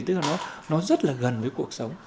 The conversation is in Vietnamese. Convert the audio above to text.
tức là nó rất là gần với cuộc sống